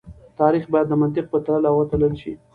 تاريخ بايد د منطق په تله وتلل شي.